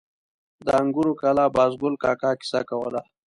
د انګورو کلا بازګل کاکا کیسه کوله.